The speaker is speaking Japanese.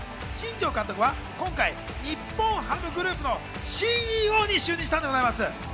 新庄監督は今回、ニッポンハムグループのＣＥＯに就任したんでございます。